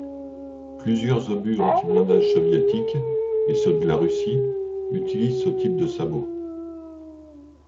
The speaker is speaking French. Plusieurs obus antiblindage soviétiques et ceux de la Russie utilisent ce type de sabot.